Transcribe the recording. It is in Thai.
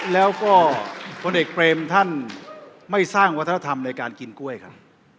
แล้วก็พลเอกเปรมท่านไม่สร้างวัฒนธรรมในการกินกล้วยกัน